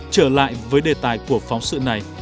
trở lại với đề tài của phóng sự này